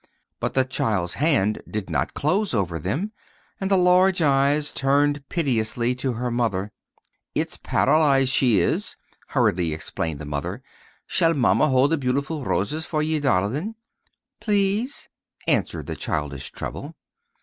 But the child's hand did not close over them, and the large eyes turned piteously to her mother. "It's paralyzed she is," hurriedly explained the mother. "Shall Mamma hold the beautiful roses for ye, darlint?" "Please," answered the childish treble.